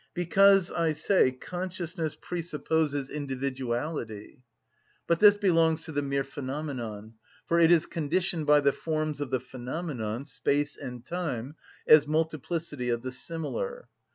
Because, I say, consciousness presupposes individuality; but this belongs to the mere phenomenon, for it is conditioned by the forms of the phenomenon, space and time, as multiplicity of the similar.